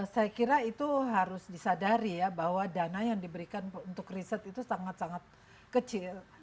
saya kira itu harus disadari ya bahwa dana yang diberikan untuk riset itu sangat sangat kecil